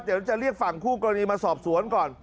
เดี๋ยวจะเรียกฝั่งคู่กรณีมาสอบสวนก่อน